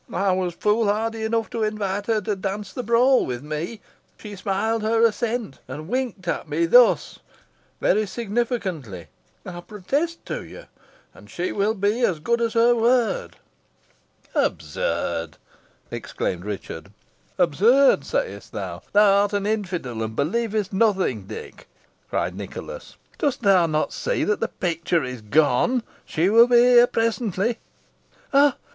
I was foolhardy enough to invite her to dance the brawl with me. She smiled her assent, and winked at me thus very significantly, I protest to you and she will be as good as her word." "Absurd!" exclaimed Richard. "Absurd, sayest thou thou art an infidel, and believest nothing, Dick," cried Nicholas. "Dost thou not see that the picture is gone? She will be here presently. Ha!